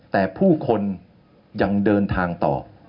แต่ผู้คนยังเดินทางต่อ